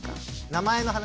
名前の話？